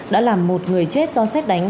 đã làm một người chết do xét đánh